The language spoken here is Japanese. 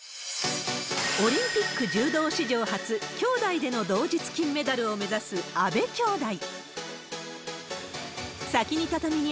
オリンピック柔道史上初、きょうだいでの同日金メダルを目指す阿部きょうだい。